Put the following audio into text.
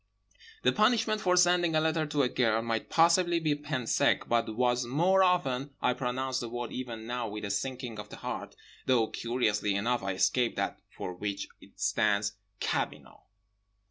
The punishment for sending a letter to a girl might possibly be pain sec, but was more often—I pronounce the word even now with a sinking of the heart, though curiously enough I escaped that for which it stands— cabinot.